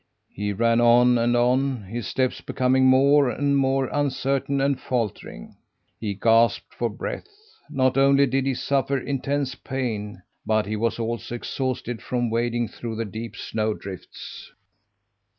He ran on and on his steps becoming more and more uncertain and faltering. He gasped for breath. Not only did he suffer intense pain, but he was also exhausted from wading through the deep snowdrifts.